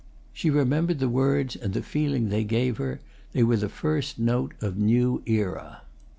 She remembered the words and the feeling they gave her: they were the first note of new era.